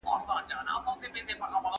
مفرور ناول ولولئ.